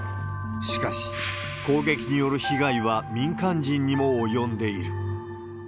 しかし、攻撃による被害は民間人にも及んでいる。